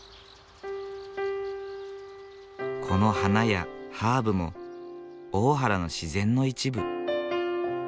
この花やハーブも大原の自然の一部。